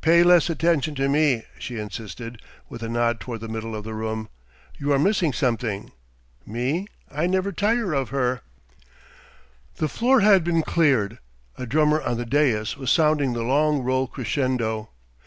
"Pay less attention to me," she insisted, with a nod toward the middle of the room. "You are missing something. Me, I never tire of her." The floor had been cleared. A drummer on the dais was sounding the long roll crescendo.